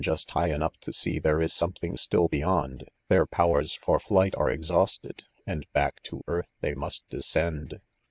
just high enough to see there is .something still be yond, their, powers for flight are exhausted, and badbtcr &irth they must descend.